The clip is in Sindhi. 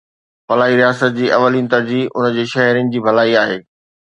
فلاحي رياست جي اولين ترجيح ان جي شهرين جي ڀلائي آهي.